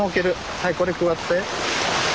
はいこれくわって。